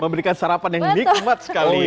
memberikan sarapan yang nikmat sekali